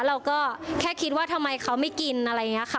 เราก็แค่คิดว่าทำไมเขาไม่กินอะไรอย่างนี้ค่ะ